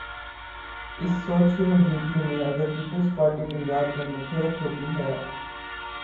اس سوچ کی موجودگی میں، اگر پیپلز پارٹی پنجاب میں متحرک ہوتی ہے۔